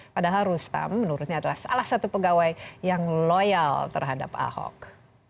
padahal rustam menurutnya adalah salah satu pegawai yang loyal terhadap ahok